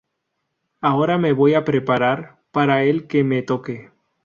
Ahora me voy a preparar para el que me toque.